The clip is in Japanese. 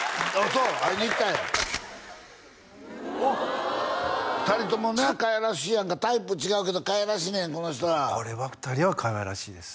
そう会いに行ったんや２人ともねかわいらしいやんかタイプ違うけどかわいらしいねんこの人らこれは２人はかわいらしいです